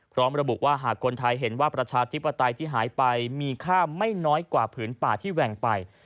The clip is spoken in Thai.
พร้อมระบุว่าหากคนไทยเห็นว่าประชาธิปไตยที่หายไปมีค่าไม่น้อยกว่าผืนป่าที่แหว่งไป